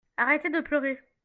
Arrêter de pleurer.